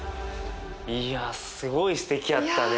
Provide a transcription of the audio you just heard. いやすごいすてきやったね